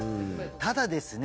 ただですね